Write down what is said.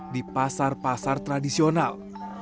di pasar pasar tradisional